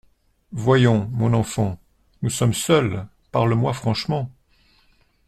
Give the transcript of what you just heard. Voyons, mon enfant, nous sommes seuls, parle-moi franchement…